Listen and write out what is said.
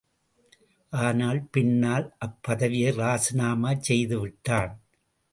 ஆனால், பின்னால் அப்பதவியை ராஜினாமாச் செய்துவிட்டான்.